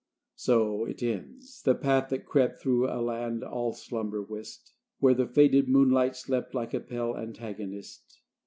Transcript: XXI So it ends the path that crept Through a land all slumber whist; Where the faded moonlight slept Like a pale antagonist.